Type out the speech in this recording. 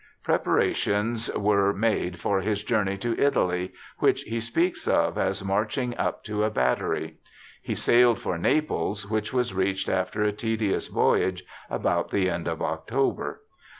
Preparations were made for his journey to Italy, which he speaks of 'as marching up to a battery'. He sailed for Naples, which was reached after a tedious voyage about the end of October.